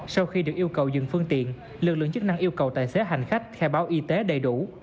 sau khi được yêu cầu dừng phương tiện lực lượng chức năng yêu cầu tài xế hành khách khai báo y tế đầy đủ